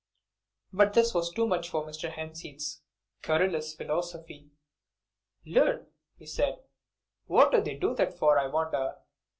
But this was too much for Mr. Hempseed's querulous philosophy. "Lud!" he said, "what they do that for, I wonder?